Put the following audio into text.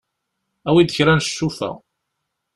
Awi-d kra n ccufa.